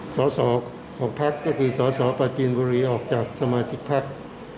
สาวสอของพักษ์ก็คือสาวสอปาจีนบุรีออกจากสมาธิกภักษ์